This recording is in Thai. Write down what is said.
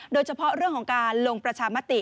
โดยเฉพาะเรื่องของการลงประชามติ